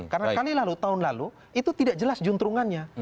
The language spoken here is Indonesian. karena kali lalu tahun lalu itu tidak jelas juntrungannya